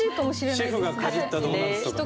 シェフがかじったドーナツとかね。